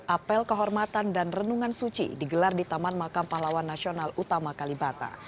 apel kehormatan dan renungan suci digelar di taman makam pahlawan nasional utama kalibata